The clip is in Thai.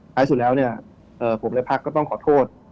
ท้ายสุดแล้วเนี่ยผมและพักก็ต้องขอโทษ